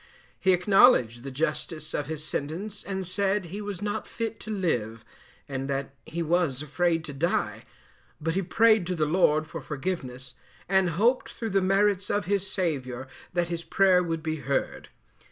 He acknowledged the justice of his sentence, and said he was not fit to live, and that he was afraid to die, but he prayed to the Lord for forgiveness, and hoped through the merits of his Saviour that his prayer would be heard.